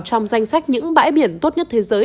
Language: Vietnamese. trong danh sách những bãi biển tốt nhất thế giới